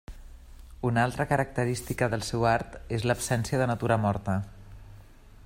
Una altra característica del seu art és l'absència de natura morta.